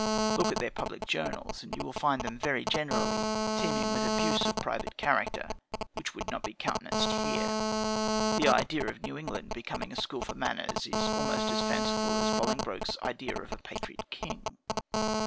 Look at their public journals, and you will find them, very generally, teeming with abuse of private character, which would not be countenanced here. The idea of New England becoming a school for manners, is about as fanciful as Bolinbroke's "idea of a patriot king."